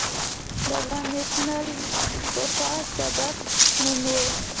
د افغان نېشنلېزم پخوا سپک نوم و.